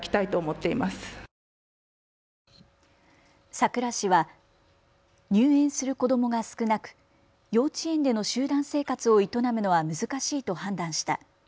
佐倉市は入園する子どもが少なく幼稚園での集団生活を営むのは難しいと判断した。